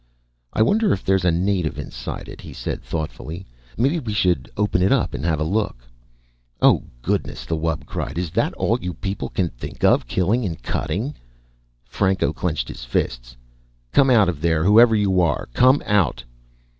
"I wonder if there's a native inside it," he said thoughtfully. "Maybe we should open it up and have a look." "Oh, goodness!" the wub cried. "Is that all you people can think of, killing and cutting?" Franco clenched his fists. "Come out of there! Whoever you are, come out!"